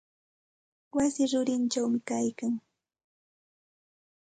Wasi rurichawmi kaylkan.